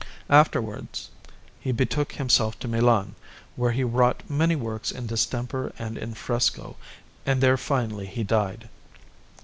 Afterwards he betook himself to Milan, where he wrought many works in distemper and in fresco, and there finally he died.